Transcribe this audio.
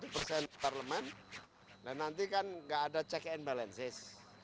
enam puluh satu persen parlemen dan nanti kan gak ada check and balances